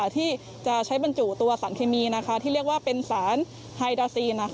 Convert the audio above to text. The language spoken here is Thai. ที่จะใช้บรรจุตัวสารเคมีที่เรียกว่าเป็นสารไฮดาซีน